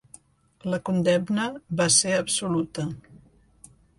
La condemna va ser absoluta.